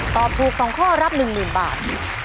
ตอบถูก๒ข้อรับ๑๐๐๐บาท